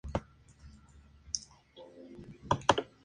Publicó asimismo en las revistas "Madrid Cómico" y "Vida Galante".